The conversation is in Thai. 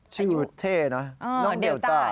ชื่อเท่นะน้องเดลต้า